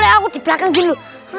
aku di belakang dulu